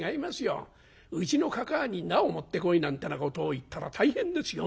うちのかかあに『菜を持ってこい』なんてなことを言ったら大変ですよ。